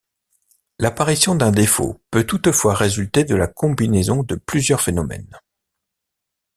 L’apparition d’un défaut peut toutefois résulter de la combinaison de plusieurs phénomènes.